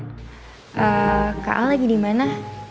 eee kak al lagi dimana